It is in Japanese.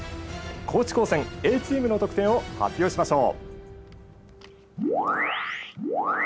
高知高専Ａチームの得点を発表しましょう。